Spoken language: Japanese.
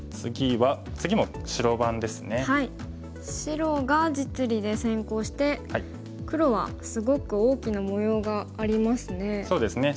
白が実利で先行して黒はすごく大きな模様がありますね。